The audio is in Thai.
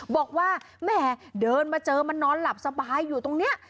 บอกว่าแม่เจอมานอนหลับสบายอยู่ตรงนี้